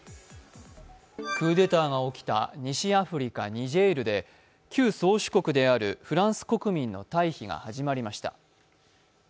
クーデターが起きた西アフリカ・ニジェールで旧宗主国であるフランス国民の退避が始まりました。